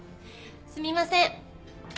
すみません。